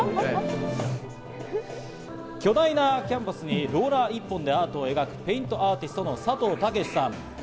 巨大なキャンバスにローラー１本でアートを描くペイントアーティストのさとうたけしさん。